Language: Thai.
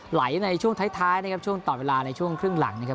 ในช่วงท้ายนะครับช่วงต่อเวลาในช่วงครึ่งหลังนะครับ